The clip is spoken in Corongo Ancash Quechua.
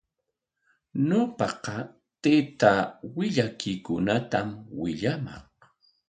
Ñawpaqa taytaa willakuykunatami willamaq.